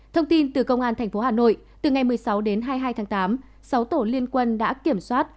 thông tin từ công an tp hà nội từ ngày một mươi sáu đến hai mươi hai tháng tám sáu tổ liên quân đã kiểm soát